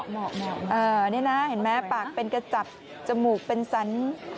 เห็นไหมปากเป็นกระจับจมูกเป็นสัน